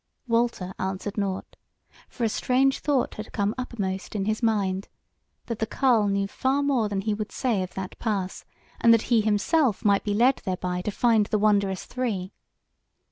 Walter answered nought: for a strange thought had come uppermost in his mind, that the carle knew far more than he would say of that pass, and that he himself might be led thereby to find the wondrous three.